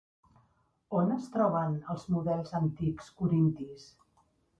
On es troben els models antics corintis?